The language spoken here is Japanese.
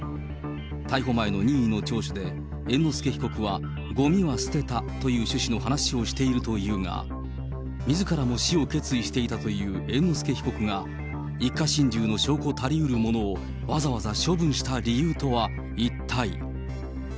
逮捕前の任意の聴取で猿之助被告は、ごみは捨てたという趣旨の話をしているというが、みずからも死を決意していたという猿之助被告が、一家心中の証拠たりうるものをわざわざ処分した理由とは一体。